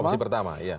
opsi pertama iya